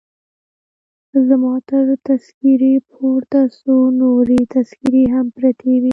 زما تر تذکیرې پورته څو نورې تذکیرې هم پرتې وې.